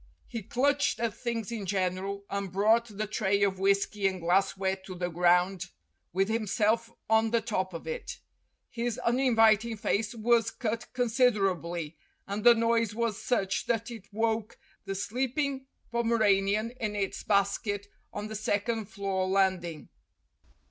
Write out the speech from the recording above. He clutched at things in general, and brought the tray of whisky and glassware to the ground, with himself on the top of it. His uninviting face was cut considerably, and the noise was such that it woke the sleeping Pomeranian in its basket on the second floor landing.